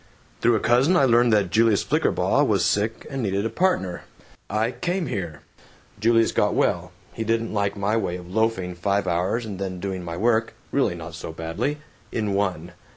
"Through a cousin I learned that Julius Flickerbaugh was sick and needed a partner. I came here. Julius got well. He didn't like my way of loafing five hours and then doing my work (really not so badly) in one.